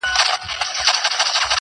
.!هغه دي اوس له ارمانونو سره لوبي کوي.!